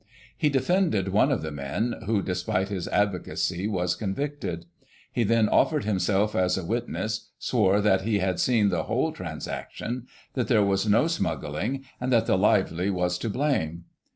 He defended one of the men, who, despite his advocacy, was convicted. He then offered himself as a witness, swore that he had seen the whole transaction, that there was no smuggling, and that the Lively was to blame.